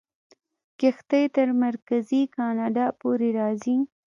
کښتۍ تر مرکزي کاناډا پورې راځي.